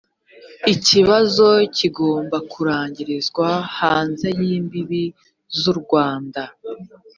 ikibazo kigomba kurangirizwa hanze y’imbibi z’u rwanda